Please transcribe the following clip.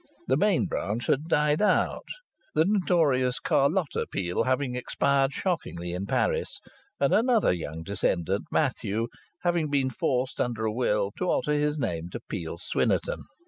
The main branch had died out, the notorious Carlotta Peel having expired shockingly in Paris, and another young descendant, Matthew, having been forced under a will to alter his name to Peel Swynnerton.